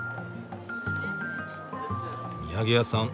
土産屋さん